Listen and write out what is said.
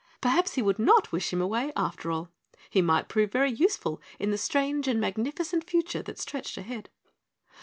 Perhaps he would not wish him away, after all. He might prove very useful in the strange and magnificent future that stretched ahead.